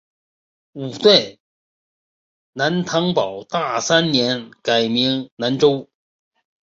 五代南唐保大三年改名南州。